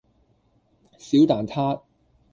小蛋撻